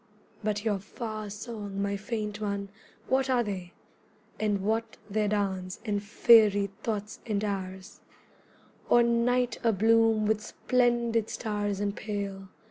But your far song, my faint one, what are they, And what their dance and faery thoughts and ours, Or night abloom with splendid stars and pale?